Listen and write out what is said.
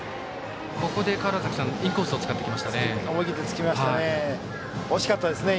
ここで、川原崎さんインコースを使ってきましたね。